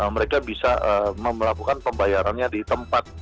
mereka bisa melakukan pembayarannya di tempat